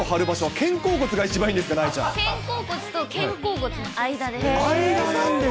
肩甲骨と肩甲骨の間です。